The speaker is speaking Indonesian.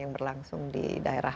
yang berlangsung di daerah